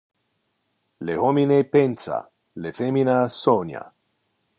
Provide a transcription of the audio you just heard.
Le homine pensa, le femina sonia.